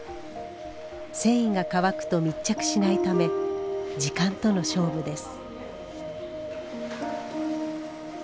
繊維が乾くと密着しないため時間との勝負です。